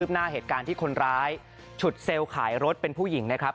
หน้าเหตุการณ์ที่คนร้ายฉุดเซลล์ขายรถเป็นผู้หญิงนะครับ